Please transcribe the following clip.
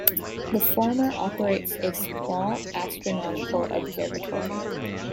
The former operates a small astronomical observatory.